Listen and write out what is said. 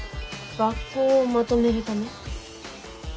学校をまとめるため？